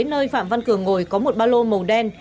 nơi phạm văn cường ngồi có một ba lô màu đen